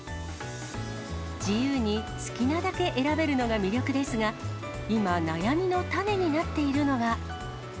自由に好きなだけ選べるのが魅力ですが、今、悩みの種になっているのが。